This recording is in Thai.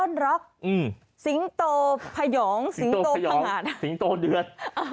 ร็อกสิงโตพยองสิงโตสิงโตเดือด